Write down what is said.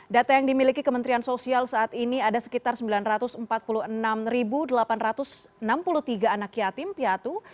data yang dimiliki kementerian sosial saat ini ada sekitar sembilan ratus empat puluh enam delapan ratus enam puluh tiga anak yatim piatu